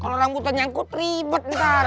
kalau rambut lo nyangkut ribet ntar